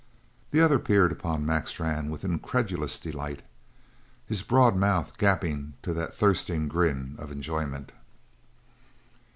The other peered upon Mac Strann with incredulous delight, his broad mouth gaping to that thirsted grin of enjoyment.